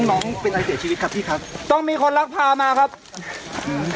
น้องเป็นอะไรเสียชีวิตครับพี่ครับต้องมีคนรักพามาครับอืม